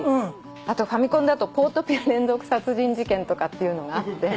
あとファミコンだと『ポートピア連続殺人事件』とかっていうのがあって。